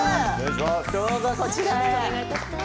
どうぞこちらへ。